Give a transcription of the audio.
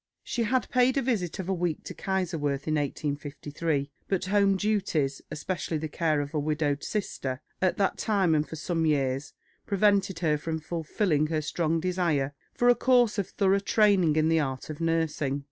She had paid a visit of a week to Kaiserswerth in 1853, but home duties, especially the care of a widowed sister, at that time and for some years prevented her from fulfilling her strong desire for a course of thorough training in the art of nursing.